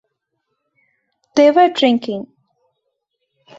They were drinking.